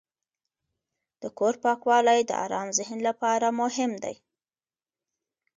د کور پاکوالی د آرام ذهن لپاره مهم دی.